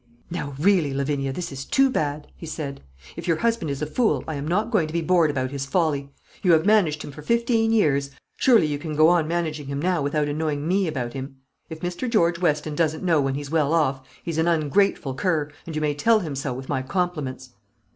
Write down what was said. "Now really, Lavinia, this is too bad," he said; "if your husband is a fool, I am not going to be bored about his folly. You have managed him for fifteen years: surely you can go on managing him now without annoying me about him? If Mr. George Weston doesn't know when he's well off, he's an ungrateful cur, and you may tell him so, with my compliments."